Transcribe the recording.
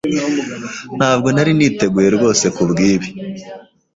Ntabwo nari niteguye rwose kubwibi.